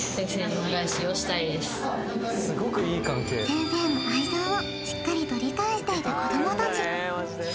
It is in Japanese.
先生の愛情をしっかりと理解していた子どもたち